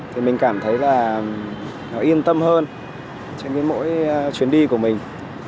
thì mình cảm thấy là nó yên tâm hơn trên mỗi chuyến đi của mình